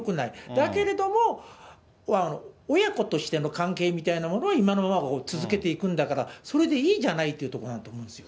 だけれども、親子としての関係みたいなものは今のまま続けていくんだから、それでいいじゃないっていうところだと思いますよ。